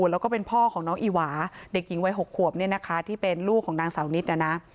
แล้วก็เป็นพ่อของน้องอิหวาเด็กหญิงวัย๖ขวบที่เป็นลูกของนางสาวนิด